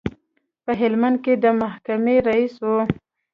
په هلمند کې د محکمې رئیس و.